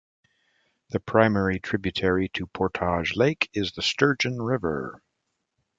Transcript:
The primary tributary to Portage Lake is the Sturgeon River.